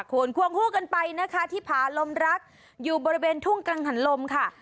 คุณควงคู่กันไปนะคะที่ผาลมรักอยู่บริเวณทุ่งกังหันลมค่ะ